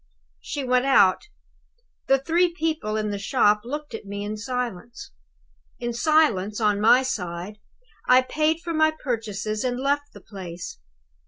"She went out. The three people in the shop looked at me in silence. In silence, on my side, I paid for my purchases, and left the place.